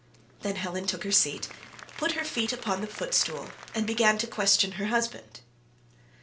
Then Helen took her seat, put her feet upon the footstool, and began to question her husband.